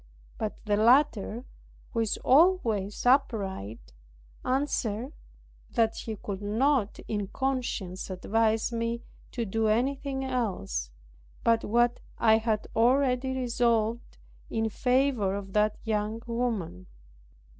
But the latter, who is always upright, answered that he could not in conscience advise me to do anything else, but what I had already resolved, in favour of that young woman.